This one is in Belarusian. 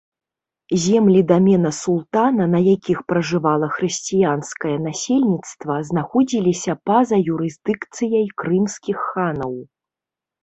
Землі дамена султана, на якіх пражывала хрысціянскае насельніцтва, знаходзіліся па-за юрысдыкцыяй крымскіх ханаў.